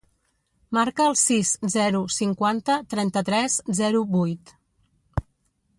Marca el sis, zero, cinquanta, trenta-tres, zero, vuit.